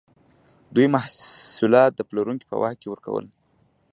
دوی محصولات د پلورونکو په واک کې ورکول.